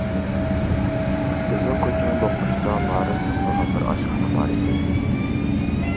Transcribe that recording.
بىزنىڭ كوچىنىڭ دوقمۇشىدا نارىن ساتىدىغان بىر ئاشخانا بار ئىدى.